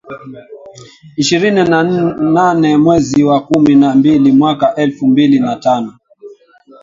Ishirini na nane mwezi wa kumi na mbili mwaka elfu mbili na tano